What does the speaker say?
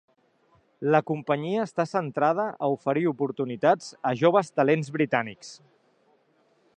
La companyia està centrada a oferir oportunitats a joves talents britànics.